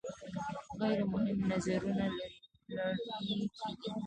غیر مهم نظرونه لرې کیږي.